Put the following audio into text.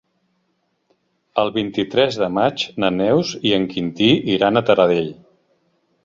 El vint-i-tres de maig na Neus i en Quintí iran a Taradell.